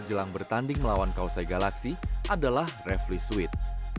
jelang bertanding melawan kausai galaksi adalah refli sweet